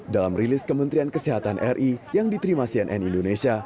dalam rilis kementerian kesehatan ri yang diterima cnn indonesia